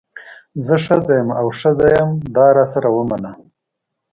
زه ښځه یم او ښځه یم دا راسره ومنه.